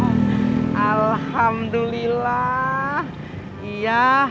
kau juga suka menurut saya